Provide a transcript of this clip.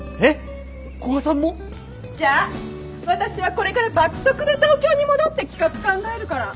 じゃ私はこれから爆速で東京に戻って企画考えるから。